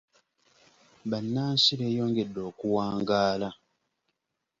Bannansi beeyongedde okuwangaala.